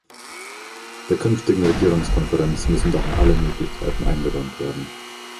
Der künftigen Regierungskonferenz müssen daher alle Möglichkeiten eingeräumt werden.